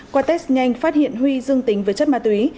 qua test nhanh phát hiện huy dương tính với chất ma túy